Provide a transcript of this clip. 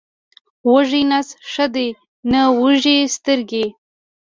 وږی نس ښه دی، نه وږې سترګې.